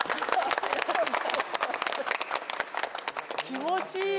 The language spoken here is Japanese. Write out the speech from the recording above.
気持ちいい。